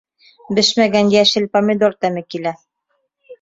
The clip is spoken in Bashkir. Бешмәгән йәшел помидор тәме килә.